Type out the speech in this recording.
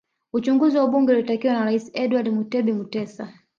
Uchunguzi wa bunge uliotakiwa na Rais Edward Mutebi Mutesa